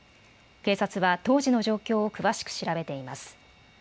警察は当時の状況を詳しく調べています。